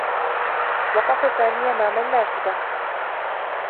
وقف سامي أمام النّافذة.